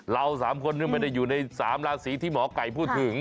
เราสามคนไม่ได้อยู่ในสามราศรีที่หมอกัยพูดถึง